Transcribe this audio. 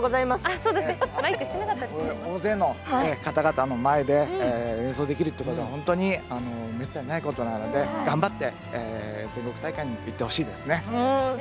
大勢の方々の前で演奏できるっていうことは本当にめったにないことなので頑張って全国大会に行ってほしいですね。